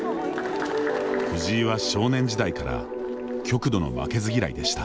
藤井は少年時代から極度の負けず嫌いでした。